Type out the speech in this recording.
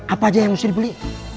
apa aja yang mesti dibeli